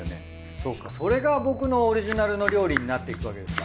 そうかそれが僕のオリジナルの料理になっていくわけですか。